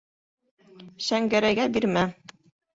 Шәңгәрәйгә бирмә!